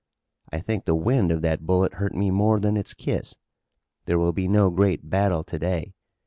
"I think the wind of that bullet hurt me more than its kiss. There will be no great battle to day.